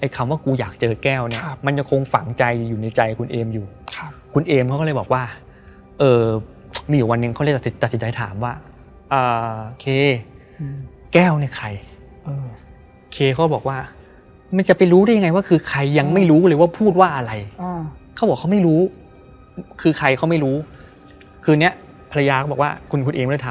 เขาไม่รู้คือนี้ภรรยาก็บอกว่าคุณคุณเองก็ได้ถามว่า